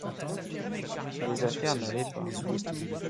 les affaires n'allaient pas.